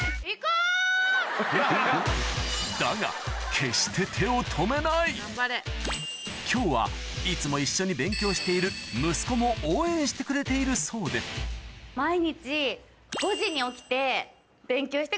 だが決して今日はいつも一緒に勉強している息子も応援してくれているそうですごい。